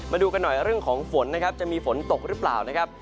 มาดูกันหน่อยเรื่องของฝนนะครับจะมีฝนตกหรือเปล่านะครับ